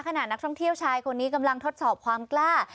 ขณะนักท่องเที่ยวชายคนนี้กำลังทดสอบความกล้า